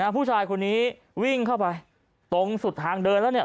ผู้ชายคนนี้วิ่งเข้าไปตรงสุดทางเดินแล้วเนี่ย